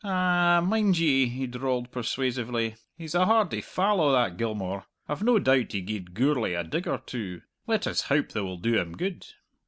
A a ah, mind ye," he drawled persuasively, "he's a hardy fallow, that Gilmour. I've no doubt he gied Gourlay a good dig or two. Let us howp they will do him good."